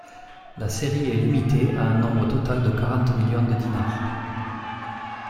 La série est limitée à un nombre total de quarante millions de dinars.